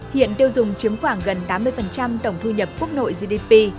hiện tiêu dùng chiếm khoảng gần tám mươi tổng thu nhập quốc nội gdp